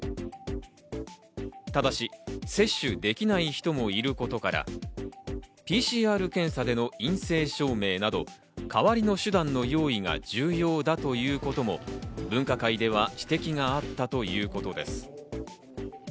ただし、接種できない人もいることから、ＰＣＲ検査での陰性証明など代わりの手段の用意が重要だということも分科会では指摘があったということです。